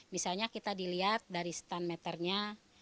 misalnya kita dilihat dari stand meternya